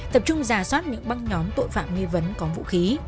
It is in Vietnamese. tập trung giả soát những băng nhóm tội phạm nghi vấn có vũ khí